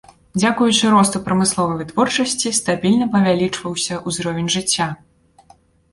Дзякуючы росту прамысловай вытворчасці стабільна павялічваўся ўзровень жыцця.